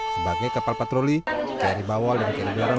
sebagai kapal patroli kri bawal dan kri garam